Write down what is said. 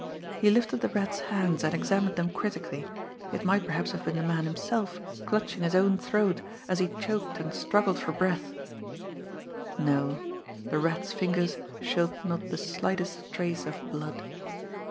He lifted the Rat's hands and examined them critically it might perhaps have been the man himself clutching his own throat, as he choked and struggled for breath no, the Rat's fingers showed not the slightest trace of blood.